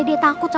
dia ke keto